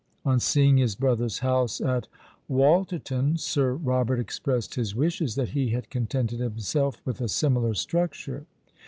On seeing his brother's house at Wolterton, Sir Robert expressed his wishes that he had contented himself with a similar structure.